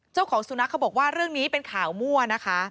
เจ้าของสุนัขเขาบอกว่าเรื่องนี้เป็นข่าวมั่วนะคะ